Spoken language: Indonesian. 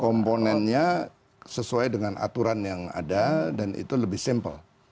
komponennya sesuai dengan aturan yang ada dan itu lebih simpel